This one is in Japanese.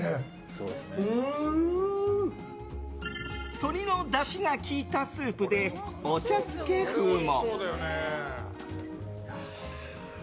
鶏のだしが効いたスープでお茶漬け風も！